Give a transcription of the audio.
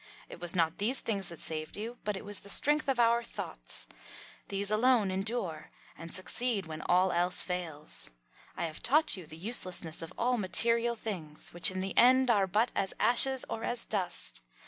It was not these things that saved you, but it was the strength of our thoughts. These alone endure and succeed when all else fails. I have taught you the uselessness of all material things, which in the end are but as ashes or as dust.